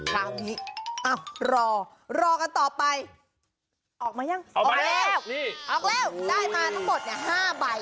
คราวนี้รอรอกันต่อไปออกมายังออกแล้วออกแล้วได้มาทั้งหมด๕ใบ